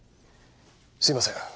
すみません。